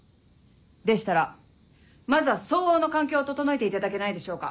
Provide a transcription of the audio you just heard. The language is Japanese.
でしたらまずは相応の環境を整えていただけないでしょうか。